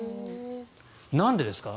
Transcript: なんでですか？